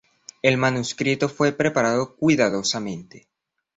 El manuscrito fue preparado cuidadosamente.